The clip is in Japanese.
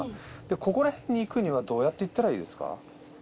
ここらへんに行くにはどうやって行ったらいいですか？